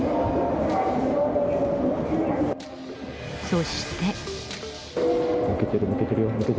そして。